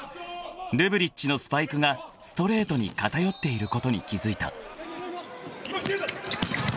［ルブリッチのスパイクがストレートに偏っていることに気付いた］